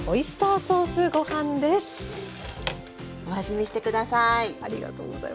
お味見して下さい！